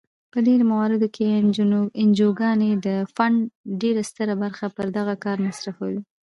په ډیری مواردو کې انجوګانې د فنډ ډیره ستره برخه پر دغه کار مصرفوي.